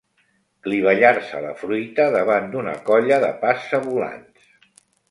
Clivellar-se la fruita davant d'una colla de passa-volants.